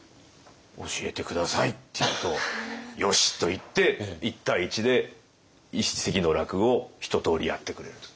「教えて下さい」って言うと「よし」と言って１対１で一席の落語をひととおりやってくれるという。